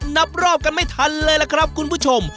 นับรอบกันไม่ทันเลยล่ะครับคุณผู้ชม